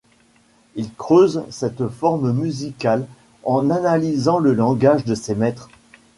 Il creuse cette forme musicale en analysant le langage de ses maîtres.